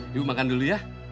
ibu makan dulu ya